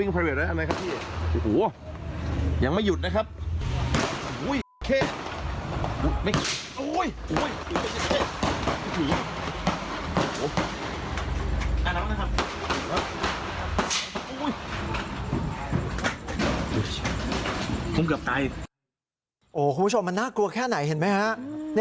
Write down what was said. คุณผู้ชมมันน่ากลัวแค่ไหนเห็นไหมฮะ